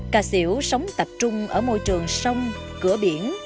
cà xỉu sống tập trung ở môi trường sông cửa biển